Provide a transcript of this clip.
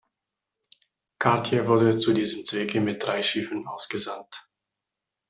Cartier wurde zu diesem Zwecke mit drei Schiffen ausgesandt.